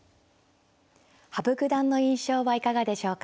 羽生九段の印象はいかがでしょうか？